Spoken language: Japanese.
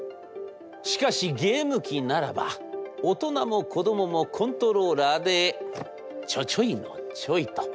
しかしゲーム機ならば大人も子どももコントローラーでちょちょいのちょいと。